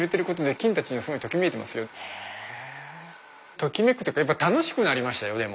ときめくっていうかやっぱ楽しくなりましたよでも。